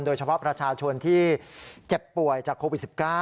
โดยเฉพาะประชาชนที่เจ็บป่วยจากโควิด๑๙